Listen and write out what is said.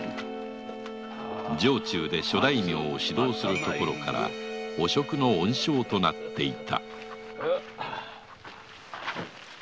城中で諸大名を指導するところから汚職の温床となっていた